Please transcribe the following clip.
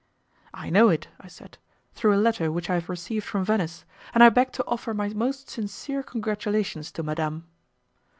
"I know it," I said, "through a letter which I have received from Venice, and I beg to offer my most sincere congratulations to Madame."